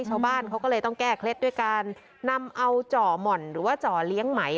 ชาวบ้านเขาก็เลยต้องแก้เคล็ดด้วยการนำเอาจ่อหม่อนหรือว่าจ่อเลี้ยงไหม